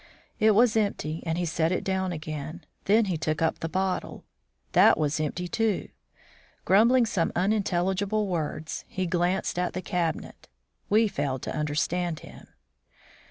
It was empty, and he set it down again; then he took up the bottle. That was empty, too. Grumbling some unintelligible words, he glanced at the cabinet. We failed to understand him.